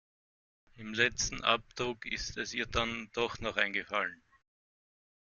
Im letzen Abdruck ist es ihr dann doch noch eingefallen.